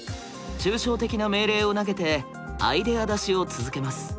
抽象的な命令を投げてアイデア出しを続けます。